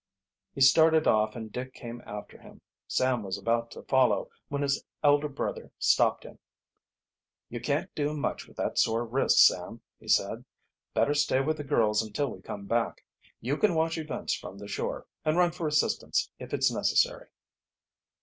He started off and Dick came after him. Sam was also about to follow, when his elder brother stopped him. "You can't do much with that sore wrist, Sam," he said. "Better stay with the girls until we come back. You can watch events from the shore, and run for assistance, if it's necessary."